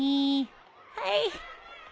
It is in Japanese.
はい。